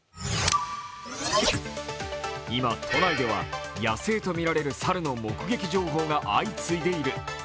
今、都内では野生とみられる猿の目撃情報が相次いでいる。